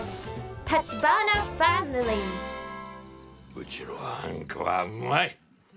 うちのあんこはうまい。